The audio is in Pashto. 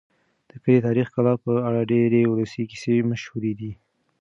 د کلي د تاریخي کلا په اړه ډېرې ولسي کیسې مشهورې دي.